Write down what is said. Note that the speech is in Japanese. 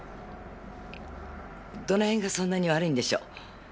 どの辺がそんなに悪いんでしょう？